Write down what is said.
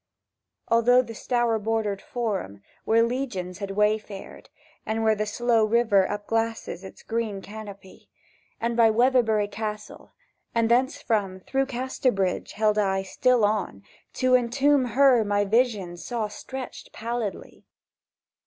Along through the Stour bordered Forum, Where Legions had wayfared, And where the slow river upglasses Its green canopy, And by Weatherbury Castle, and thencefrom Through Casterbridge held I Still on, to entomb her my vision Saw stretched pallidly.